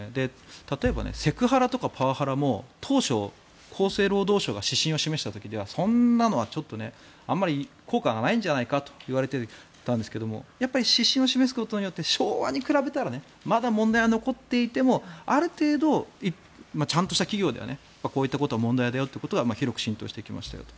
例えばセクハラとかパワハラも当初、厚生労働省が指針を示した時ではそんなのはちょっとあまり効果がないんじゃないかといわれてたんですけどもやっぱり指針を示すことによって昭和に比べたらまだ問題は残っていてもある程度ちゃんとした企業ではこういったことは問題だよということは広く浸透してきましたよと。